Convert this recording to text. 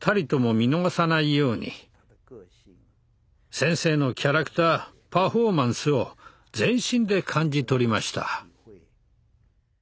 先生のキャラクターパフォーマンスを全身で感じ取りました。